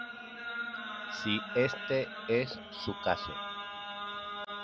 Si este es su caso